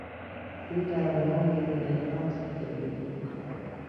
او در ناز و نعمت زندگی میکند.